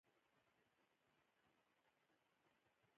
مغولو هم خپلو درباریانو ته مېلمستیاوې ورکولې.